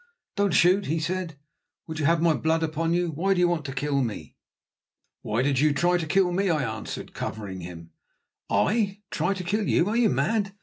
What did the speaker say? "Don't shoot," he said. "Would you have my blood upon you? Why do you want to kill me?" "Why did you try to kill me?" I answered, covering him. "I try to kill you! Are you mad?